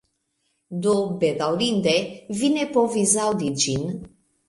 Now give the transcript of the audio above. Do, bedaŭrinde vi ne povis aŭdi ĝin